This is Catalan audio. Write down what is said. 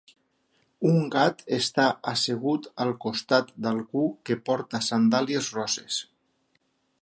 Un gat està assegut al costat d'algú que porta sandàlies roses.